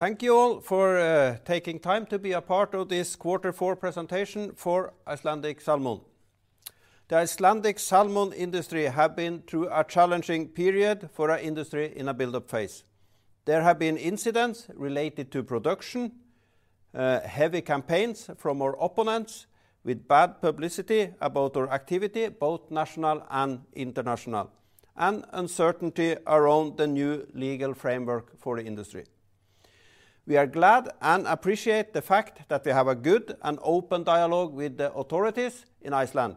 Thank you all for taking time to be a part of this Quarter Four presentation for Icelandic Salmon. The Icelandic salmon industry have been through a challenging period for our industry in a build-up phase. There have been incidents related to production, heavy campaigns from our opponents, with bad publicity about our activity, both national and international, and uncertainty around the new legal framework for the industry. We are glad and appreciate the fact that we have a good and open dialogue with the authorities in Iceland.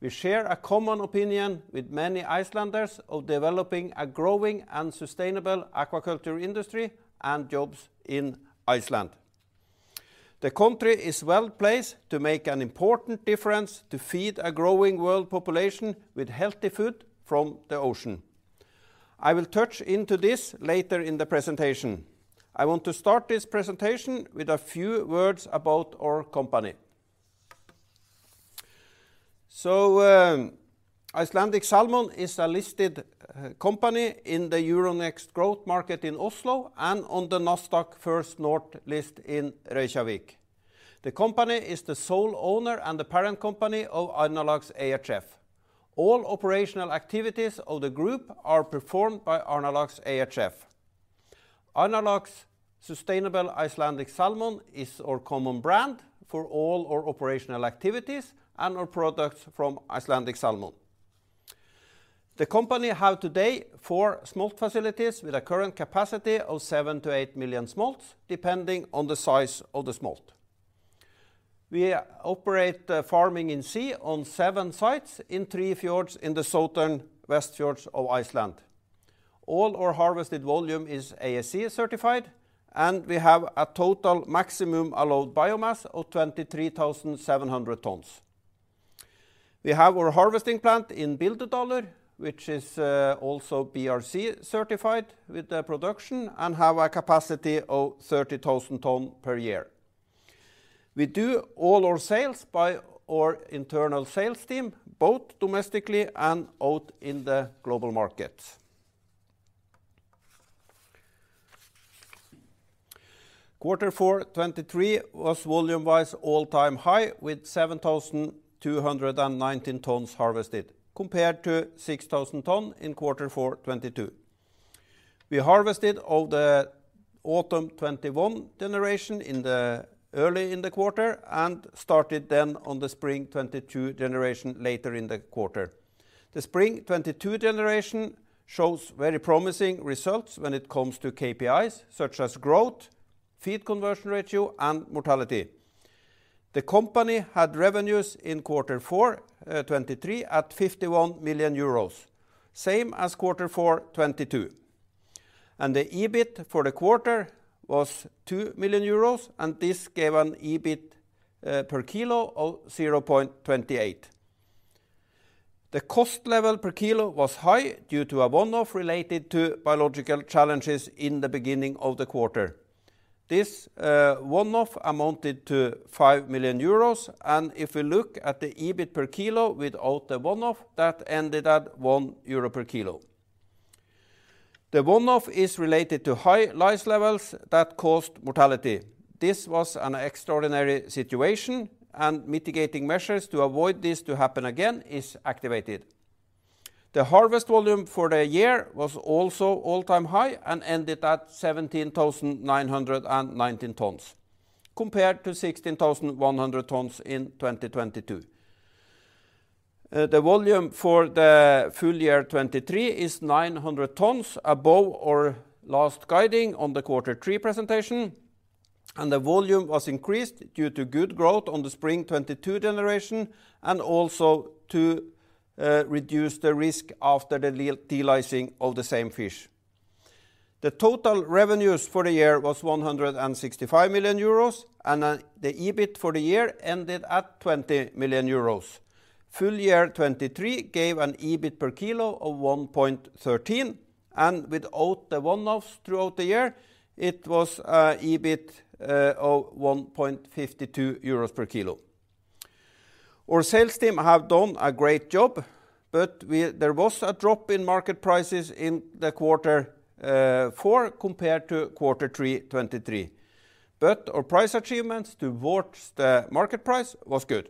We share a common opinion with many Icelanders of developing a growing and sustainable aquaculture industry and jobs in Iceland. The country is well placed to make an important difference to feed a growing world population with healthy food from the ocean. I will touch into this later in the presentation. I want to start this presentation with a few words about our company. So, Icelandic Salmon is a listed company in the Euronext Growth Market in Oslo and on the Nasdaq First North List in Reykjavík. The company is the sole owner and the parent company of Arnarlax ehf. All operational activities of the group are performed by Arnarlax ehf. Arnarlax Sustainable Icelandic Salmon is our common brand for all our operational activities and our products from Icelandic Salmon. The company have today four smolt facilities with a current capacity of 7-8 million smolts, depending on the size of the smolt. We operate farming in sea on seven sites in three fjords in the southern West Fjords of Iceland. All our harvested volume is ASC certified, and we have a total maximum allowed biomass of 23,700 tons. We have our harvesting plant in Bíldudalur, which is also BRC certified with the production and have a capacity of 30,000 tons per year. We do all our sales by our internal sales team, both domestically and out in the global markets. Quarter four 2023 was volume-wise all-time high, with 7,219 tons harvested, compared to 6,000 tons in quarter four 2022. We harvested all the autumn 2021 generation in the early in the quarter and started then on the spring 2022 generation later in the quarter. The spring 2022 generation shows very promising results when it comes to KPIs, such as growth, feed conversion ratio, and mortality. The company had revenues in quarter four 2023 at 51 million euros, same as quarter four 2022. And the EBIT for the quarter was 2 million euros, and this gave an EBIT per kilo of 0.28. The cost level per kilo was high due to a one-off related to biological challenges in the beginning of the quarter. This one-off amounted to 5 million euros, and if we look at the EBIT per kilo without the one-off, that ended at 1 euro per kilo. The one-off is related to high lice levels that caused mortality. This was an extraordinary situation, and mitigating measures to avoid this to happen again is activated. The harvest volume for the year was also all-time high and ended at 17,919 tons, compared to 16,100 tons in 2022. The volume for the full year 2023 is 900 tons above our last guidance on the Quarter Three presentation, and the volume was increased due to good growth on the spring 2022 generation, and also to reduce the risk after the delicing of the same fish. The total revenues for the year was 165 million euros, and then the EBIT for the year ended at 20 million euros. Full year 2023 gave an EBIT per kilo of 1.13, and without the one-offs throughout the year, it was EBIT of 1.52 euros per kilo. Our sales team have done a great job, but there was a drop in market prices in the quarter four compared to quarter three 2023. But our price achievements towards the market price was good.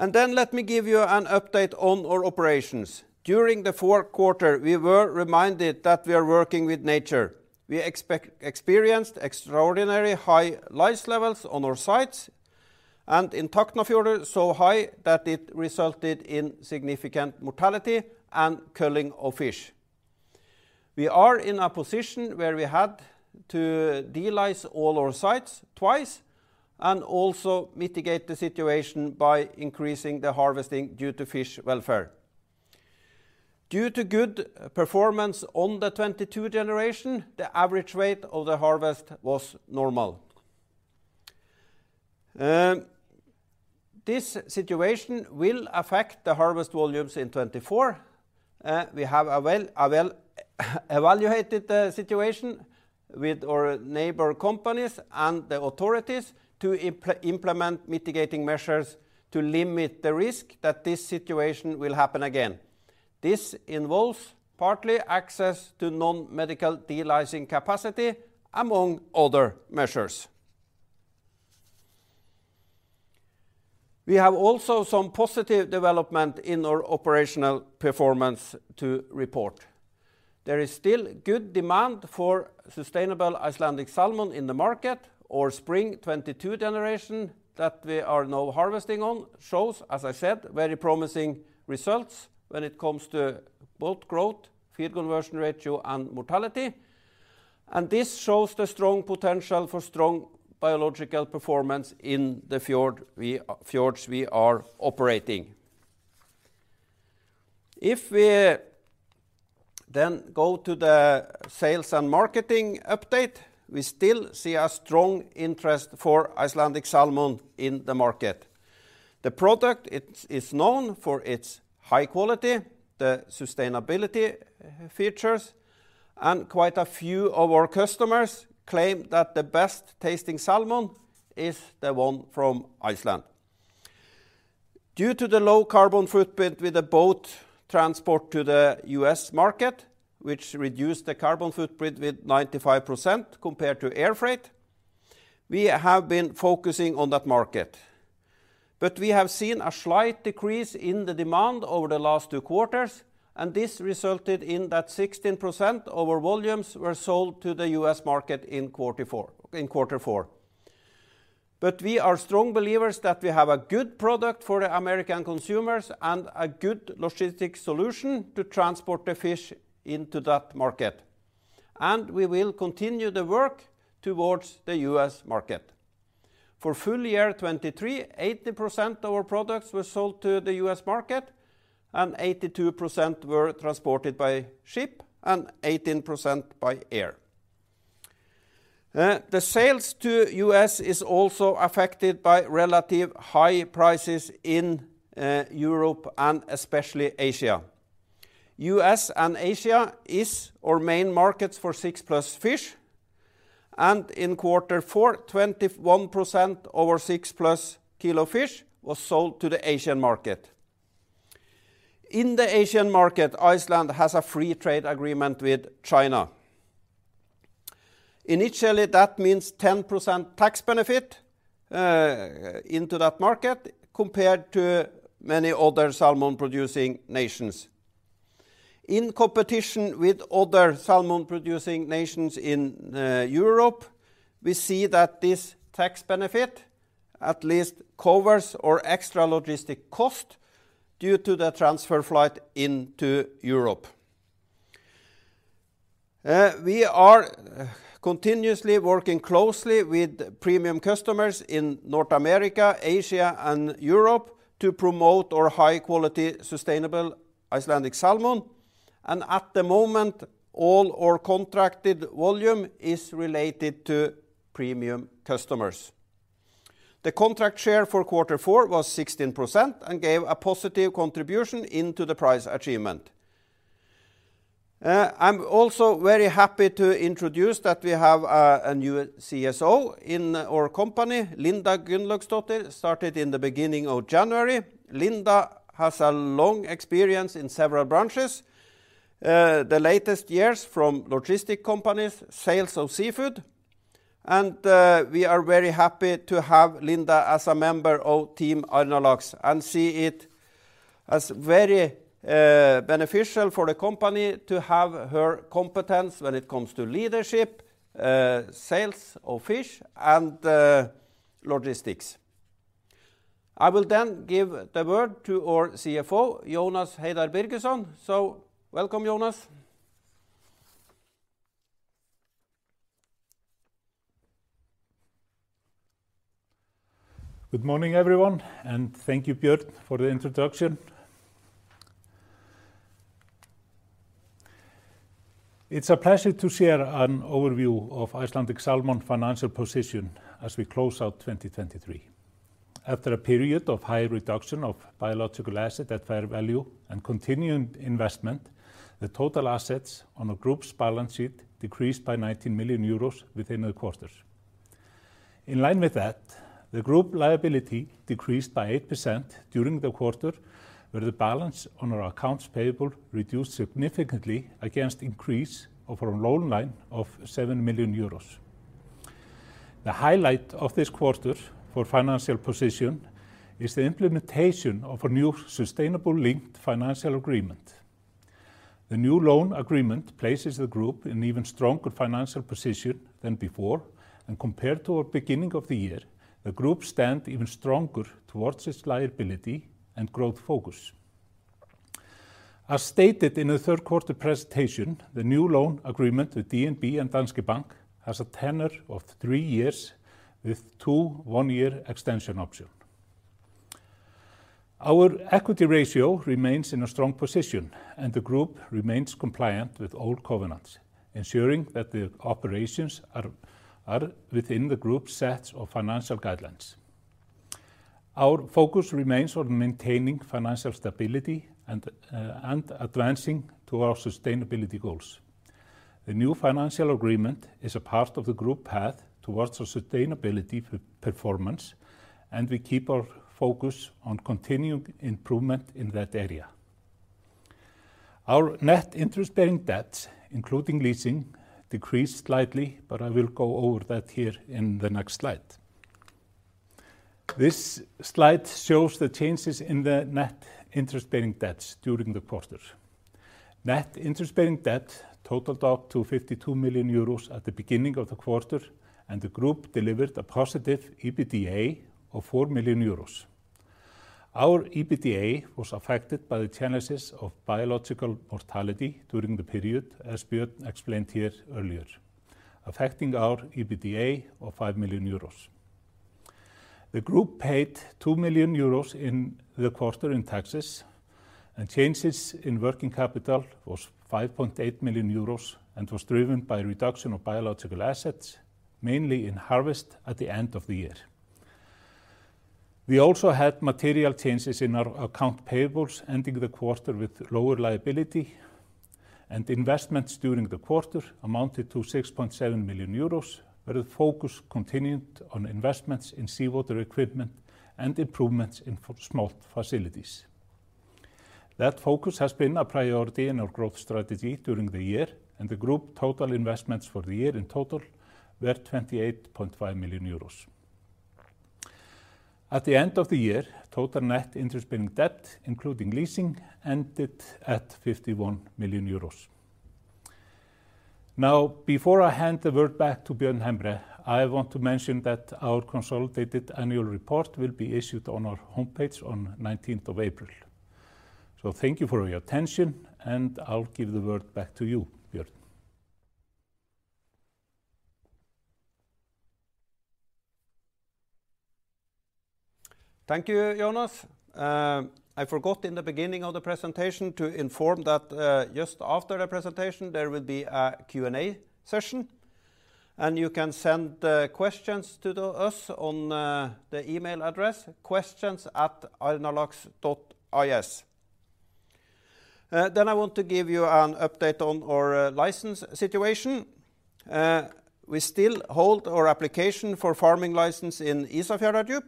Then let me give you an update on our operations. During the fourth quarter, we were reminded that we are working with nature. We experienced extraordinary high lice levels on our sites, and in Tálknafjörður so high that it resulted in significant mortality and culling of fish. We are in a position where we had to delice all our sites twice and also mitigate the situation by increasing the harvesting due to fish welfare. Due to good performance on the 2022 generation, the average weight of the harvest was normal. This situation will affect the harvest volumes in 2024. We have well evaluated the situation with our neighbor companies and the authorities to implement mitigating measures to limit the risk that this situation will happen again. This involves partly access to non-medical delicing capacity, among other measures. We have also some positive development in our operational performance to report. There is still good demand for sustainable Icelandic salmon in the market, our spring 2022 generation that we are now harvesting shows, as I said, very promising results when it comes to both growth, feed conversion ratio, and mortality. This shows the strong potential for strong biological performance in the fjords we are operating. If we then go to the sales and marketing update, we still see a strong interest for Icelandic salmon in the market. The product is known for its high quality, the sustainability features, and quite a few of our customers claim that the best-tasting salmon is the one from Iceland. Due to the low carbon footprint with the boat transport to the U.S. market, which reduced the carbon footprint with 95% compared to air freight, we have been focusing on that market. We have seen a slight decrease in the demand over the last two quarters, and this resulted in that 16% of our volumes were sold to the U.S. market in quarter four, in quarter four. We are strong believers that we have a good product for the American consumers and a good logistic solution to transport the fish into that market, and we will continue the work towards the U.S. market. For full year 2023, 80% of our products were sold to the U.S. market, and 82% were transported by ship and 18% by air. The sales to U.S. is also affected by relative high prices in Europe and especially Asia. U.S. and Asia is our main markets for six-plus fish, and in quarter four, 21% over six-plus kilo fish was sold to the Asian market. In the Asian market, Iceland has a free trade agreement with China. Initially, that means 10% tax benefit into that market compared to many other salmon-producing nations. In competition with other salmon-producing nations in Europe, we see that this tax benefit at least covers our extra logistic cost due to the transfer flight into Europe. We are continuously working closely with premium customers in North America, Asia, and Europe to promote our high-quality, sustainable Icelandic salmon, and at the moment, all our contracted volume is related to premium customers. The contract share for quarter four was 16% and gave a positive contribution into the price achievement. I'm also very happy to introduce that we have a new CSO in our company. Linda Gunnlaugsdóttir started in the beginning of January. Linda has a long experience in several branches, the latest years from logistic companies, sales of seafood, and we are very happy to have Linda as a member of Team Arnarlax, and see it as very beneficial for the company to have her competence when it comes to leadership, sales of fish, and logistics. I will then give the word to our CFO, Jónas Heiðar Birgisson. So welcome, Jonas. Good morning, everyone, and thank you, Björn, for the introduction. It's a pleasure to share an overview of Icelandic Salmon financial position as we close out 2023. After a period of high reduction of biological asset at fair value and continuing investment, the total assets on the group's balance sheet decreased by 19 million euros within the quarter. In line with that, the group liability decreased by 8% during the quarter, where the balance on our accounts payable reduced significantly against increase of our loan line of 7 million euros. The highlight of this quarter for financial position is the implementation of a new sustainability-linked financial agreement. The new loan agreement places the group in even stronger financial position than before, and compared to our beginning of the year, the group stand even stronger towards its liability and growth focus. As stated in the third quarter presentation, the new loan agreement with DNB and Danske Bank has a tenure of three years with two one-year extension option. Our equity ratio remains in a strong position, and the group remains compliant with all covenants, ensuring that the operations are within the group's sets of financial guidelines. Our focus remains on maintaining financial stability and advancing to our sustainability goals. The new financial agreement is a part of the group path towards a sustainability performance, and we keep our focus on continued improvement in that area. Our net interest-bearing debt, including leasing, decreased slightly, but I will go over that here in the next slide. This slide shows the changes in the net interest-bearing debts during the quarter. Net interest-bearing debt totaled up to 52 million euros at the beginning of the quarter, and the group delivered a positive EBITDA of 4 million euros. Our EBITDA was affected by the genesis of biological mortality during the period, as Björn explained here earlier, affecting our EBITDA of 5 million euros. The group paid 2 million euros in the quarter in taxes, and changes in working capital was 5.8 million euros and was driven by reduction of biological assets, mainly in harvest at the end of the year. We also had material changes in our account payables, ending the quarter with lower liability, and investments during the quarter amounted to 6.7 million euros, where the focus continued on investments in seawater equipment and improvements in smolt facilities. That focus has been a priority in our growth strategy during the year, and the group total investments for the year in total were 28.5 million euros. At the end of the year, total net interest-bearing debt, including leasing, ended at 51 million euros. Now, before I hand the word back to Björn Hembre, I want to mention that our consolidated annual report will be issued on our homepage on nineteenth of April. So thank you for your attention, and I'll give the word back to you, Björn. Thank you, Jónas. I forgot in the beginning of the presentation to inform that just after the presentation, there will be a Q&A session, and you can send questions to us on the email address, questions@arnarlax.is. Then I want to give you an update on our license situation. We still hold our application for farming license in Ísafjarðardjúp,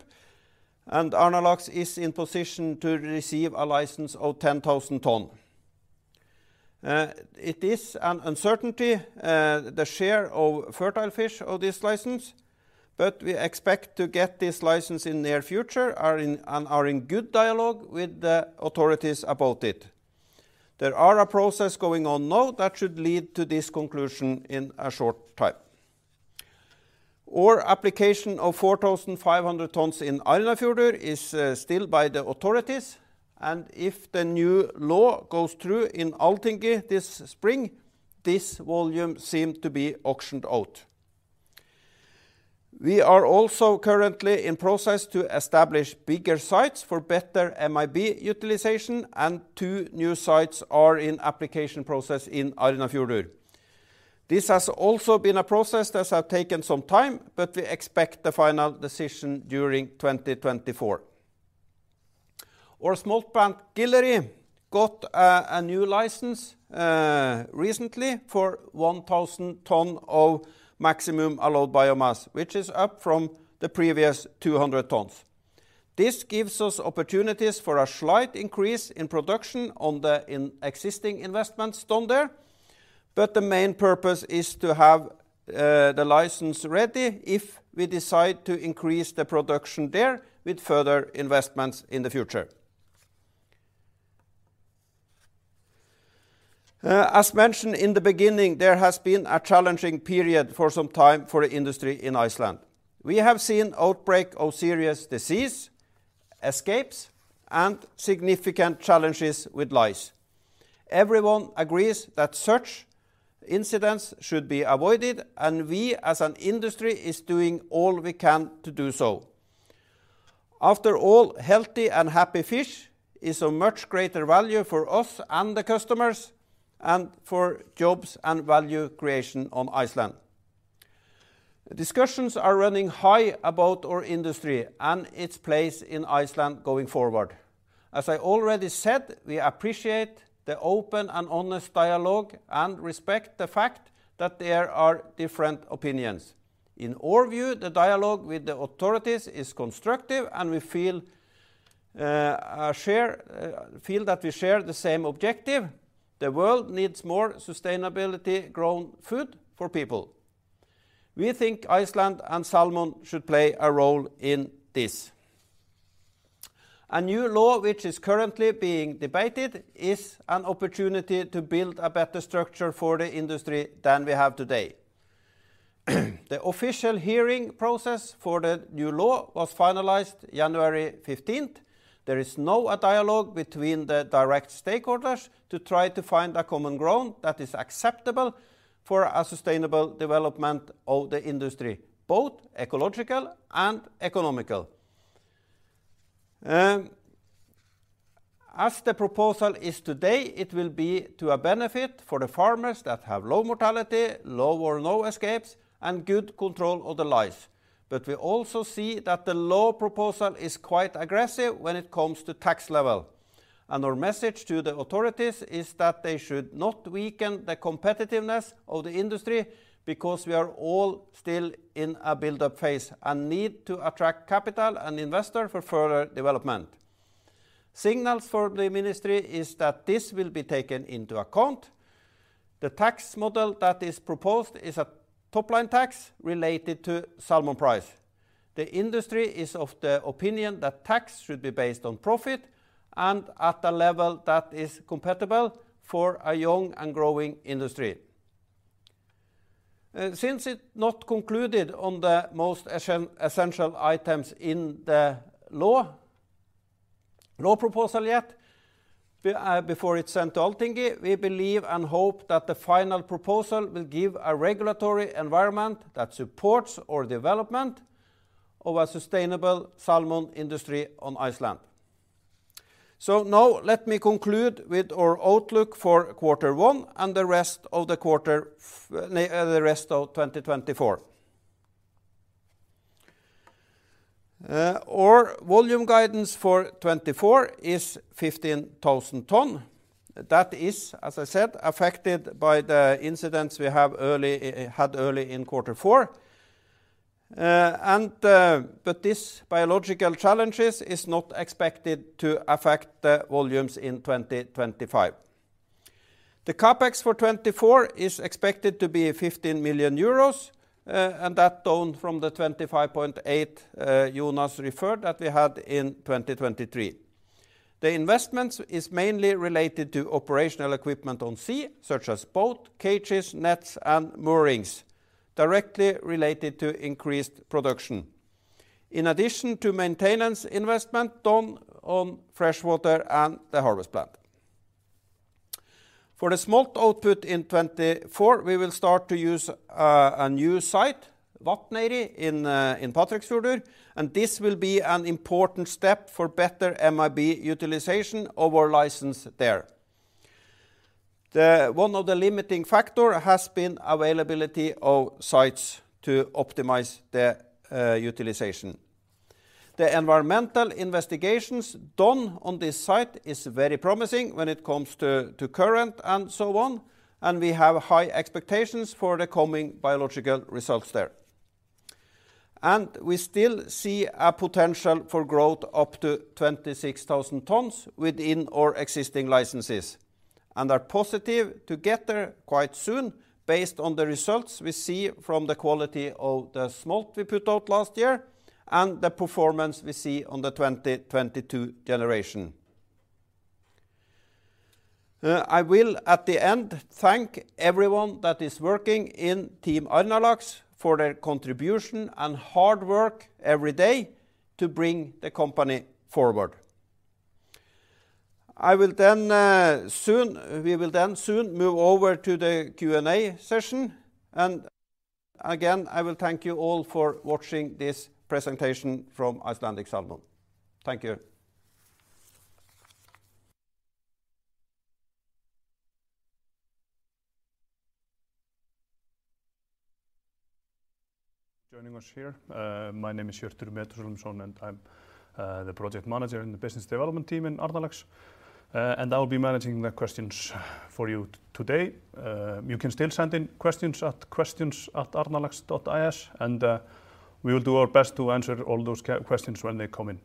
and Arnarlax is in position to receive a license of 10,000 ton. It is an uncertainty the share of fertile fish of this license, but we expect to get this license in near future and are in good dialogue with the authorities about it. There are a process going on now that should lead to this conclusion in a short time. Our application of 4,500 tons in Arnarfjörður is still by the authorities, and if the new law goes through in Althingi this spring, this volume seem to be auctioned out. We are also currently in process to establish bigger sites for better MIB utilization, and two new sites are in application process in Arnarfjörður. This has also been a process that has taken some time, but we expect the final decision during 2024. Our smolt plant, Gileyri, got a new license recently for 1,000 ton of maximum allowed biomass, which is up from the previous 200 tons. This gives us opportunities for a slight increase in production on the in existing investments done there, but the main purpose is to have the license ready if we decide to increase the production there with further investments in the future. As mentioned in the beginning, there has been a challenging period for some time for the industry in Iceland. We have seen outbreak of serious disease, escapes, and significant challenges with lice. Everyone agrees that such incidents should be avoided, and we as an industry is doing all we can to do so. After all, healthy and happy fish is a much greater value for us and the customers and for jobs and value creation on Iceland. Discussions are running high about our industry and its place in Iceland going forward. As I already said, we appreciate the open and honest dialogue and respect the fact that there are different opinions. In our view, the dialogue with the authorities is constructive, and we feel that we share the same objective. The world needs more sustainability-grown food for people. We think Iceland and salmon should play a role in this. A new law, which is currently being debated, is an opportunity to build a better structure for the industry than we have today. The official hearing process for the new law was finalized January 15th. There is now a dialogue between the direct stakeholders to try to find a common ground that is acceptable for a sustainable development of the industry, both ecological and economical.... As the proposal is today, it will be to a benefit for the farmers that have low mortality, low or no escapes, and good control of the lice. But we also see that the law proposal is quite aggressive when it comes to tax level, and our message to the authorities is that they should not weaken the competitiveness of the industry, because we are all still in a build-up phase and need to attract capital and investor for further development. Signals from the ministry is that this will be taken into account. The tax model that is proposed is a top-line tax related to salmon price. The industry is of the opinion that tax should be based on profit and at a level that is compatible for a young and growing industry. Since it not concluded on the most essential items in the law proposal yet, we before it's sent to Althingi, we believe and hope that the final proposal will give a regulatory environment that supports our development of a sustainable salmon industry on Iceland. So now let me conclude with our outlook for quarter one and the rest of 2024. Our volume guidance for 2024 is 15,000 tonnes. That is, as I said, affected by the incidents we had early in quarter four. But this biological challenges is not expected to affect the volumes in 2025. The CapEx for 2024 is expected to be 15 million euros, and that down from the 25.8 Jonas referred, that we had in 2023. The investments is mainly related to operational equipment on sea, such as boat, cages, nets, and moorings, directly related to increased production, in addition to maintenance investment done on freshwater and the harvest plant. For the smolt output in 2024, we will start to use a new site, Vatnseyri, in Patreksfjörður, and this will be an important step for better MAB utilization of our license there. One of the limiting factor has been availability of sites to optimize the utilization. The environmental investigations done on this site is very promising when it comes to current and so on, and we have high expectations for the coming biological results there. We still see a potential for growth up to 26,000 tons within our existing licenses and are positive to get there quite soon based on the results we see from the quality of the smolt we put out last year and the performance we see on the 2022 generation. I will, at the end, thank everyone that is working in Team Arnarlax for their contribution and hard work every day to bring the company forward. I will then soon. We will then soon move over to the Q&A session. And again, I will thank you all for watching this presentation from Icelandic Salmon. Thank you.... Joining us here. My name is Hjörtur Methúsalemsson, and I'm the project manager in the business development team in Arnarlax. And I'll be managing the questions for you today. You can still send in questions at questions@arnarlax.is, and we will do our best to answer all those questions when they come in.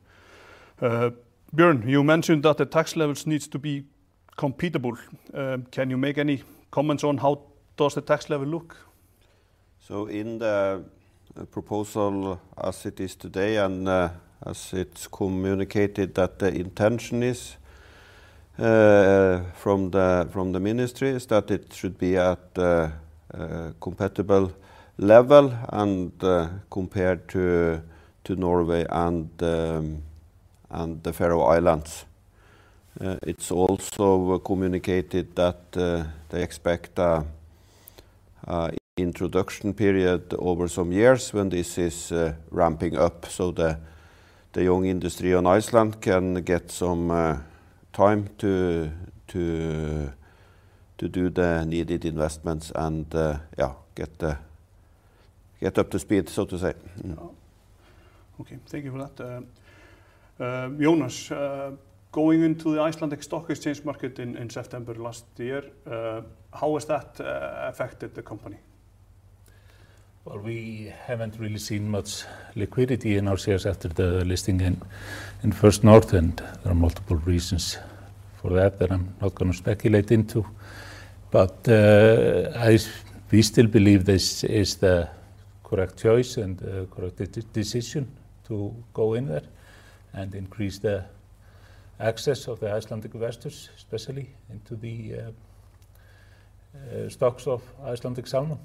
Björn, you mentioned that the tax levels needs to be compatible. Can you make any comments on how does the tax level look? So in the proposal as it is today and, as it's communicated, that the intention is, from the ministry, is that it should be at a compatible level and, compared to Norway and the Faroe Islands. It's also communicated that they expect a introduction period over some years when this is ramping up, so the young industry on Iceland can get some time to do the needed investments and, yeah, get up to speed, so to say. Yeah. Okay, thank you for that. Jónas, going into the Icelandic Stock Exchange market in September last year, how has that affected the company? Well, we haven't really seen much liquidity in our shares after the listing in First North, and there are multiple reasons for that that I'm not gonna speculate into. But, We still believe this is the correct choice and, correct decision to go in there and increase the access of the Icelandic investors, especially, into the stocks of Icelandic Salmon.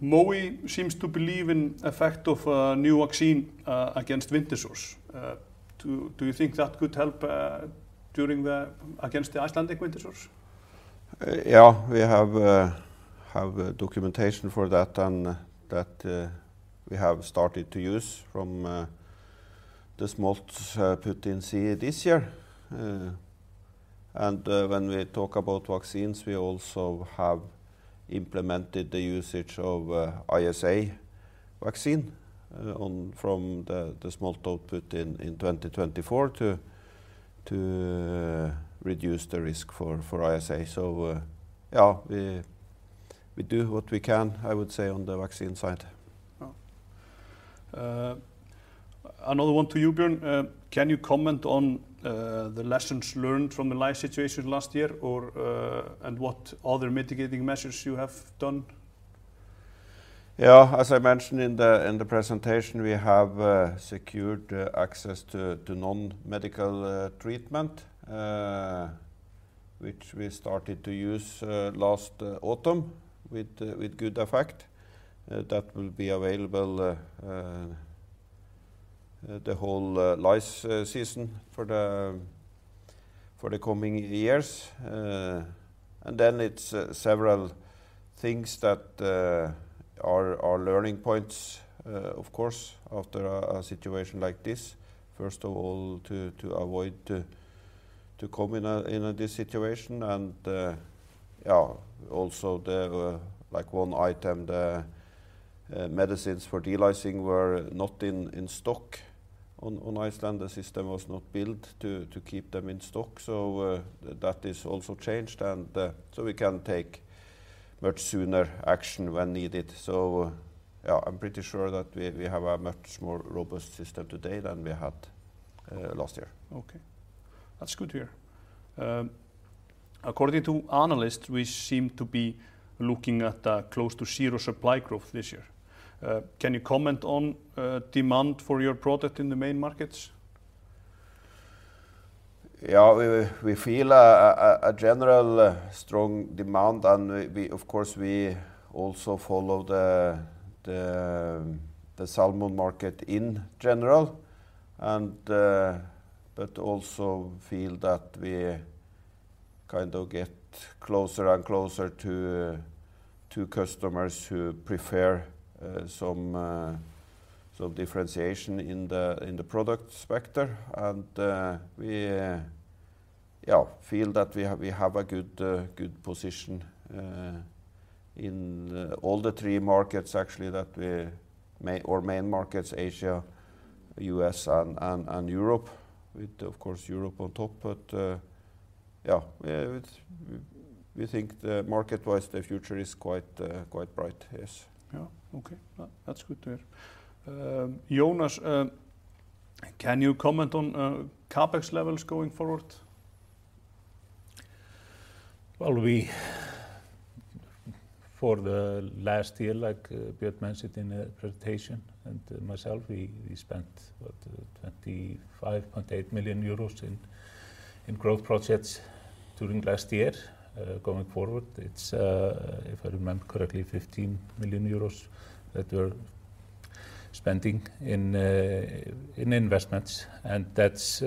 Yeah. Mowi seems to believe in effect of a new vaccine against winter sore. Do you think that could help during the... against the Icelandic winter sore?... Yeah, we have a documentation for that and that we have started to use from the smolts put in sea this year. When we talk about vaccines, we also have implemented the usage of ISA vaccine on from the smolt output in 2024 to reduce the risk for ISA. So, yeah, we do what we can, I would say, on the vaccine side. Yeah. Another one to you, Björn. Can you comment on the lessons learned from the lice situation last year, or and what other mitigating measures you have done? Yeah, as I mentioned in the presentation, we have secured access to non-medical treatment, which we started to use last autumn with good effect. That will be available the whole lice season for the coming years. And then it's several things that are learning points, of course, after a situation like this. First of all, to avoid to come in this situation and, yeah, also the, like one item, the medicines for delicing were not in stock on Iceland. The system was not built to keep them in stock, so that is also changed and so we can take much sooner action when needed. So yeah, I'm pretty sure that we have a much more robust system today than we had last year. Okay. That's good to hear. According to analysts, we seem to be looking at a close to zero supply growth this year. Can you comment on demand for your product in the main markets? Yeah, we feel a general strong demand, and we of course also follow the salmon market in general. But also feel that we kind of get closer and closer to customers who prefer some differentiation in the product spectrum. And we feel that we have a good position in all the three markets, actually, that we may—our main markets, Asia, US, and Europe. With, of course, Europe on top, but yeah, we think market-wise, the future is quite bright. Yes. Yeah. Okay. That's good to hear. Jónas, can you comment on CapEx levels going forward? Well, we, for the last year, like, Björn mentioned in the presentation, and myself, we spent, what? 25.8 million euros in growth projects during last year. Going forward, it's, if I remember correctly, 15 million euros that we're spending in investments, and that's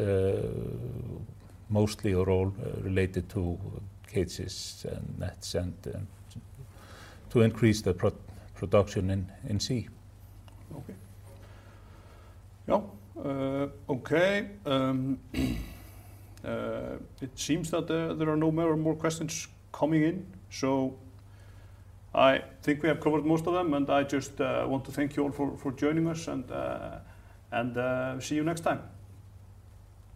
mostly are all related to cages and nets and to increase the production in sea. Okay. Yeah, it seems that there are no more questions coming in, so I think we have covered most of them, and I just want to thank you all for joining us and see you next time.